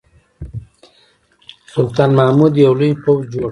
سلطان محمود یو لوی پوځ جوړ کړ.